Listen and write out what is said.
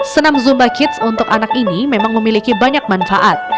senam zumba kids untuk anak ini memang memiliki banyak manfaat